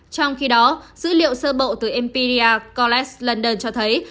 trong khi đó dữ liệu sơ bộ từ imperial college london cho thấy